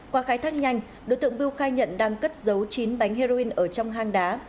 qua khai thác nhanh đối tượng biêu khai nhận đang cất giấu chín bánh heroin ở trong hang đá